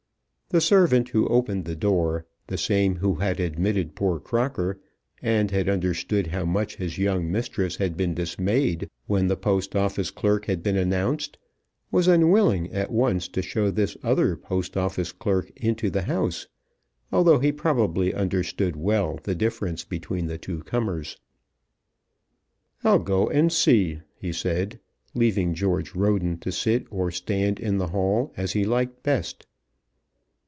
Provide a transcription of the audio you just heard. The servant who opened the door, the same who had admitted poor Crocker and had understood how much his young mistress had been dismayed when the Post Office clerk had been announced, was unwilling at once to show this other Post Office clerk into the house, although he probably understood well the difference between the two comers. "I'll go and see," he said, leaving George Roden to sit or stand in the hall as he liked best.